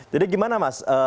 jadi gimana mas